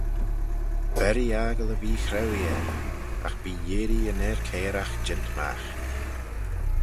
Berree aggle y vee-chrauee er: agh bee yeearree yn er-cairagh jeant magh.